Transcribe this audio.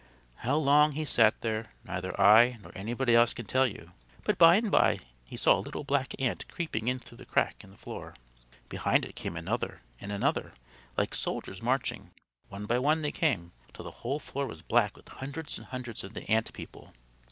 How long he sat there, neither I nor anybody else can tell you, but by and by he saw a little black ant creeping in through a crack in the floor. Behind it came another and another, like soldiers marching; one by one they came, till the whole floor was black with hundreds and hundreds of the ant people.